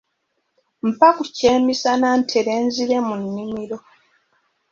Mpa ku kyemisana ntere nzire mu nnimiro.